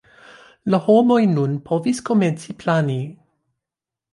La homoj nun povis komenci plani.